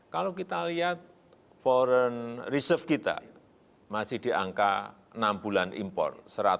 kalau kita lihat foreign reserve kita masih di angka enam bulan impor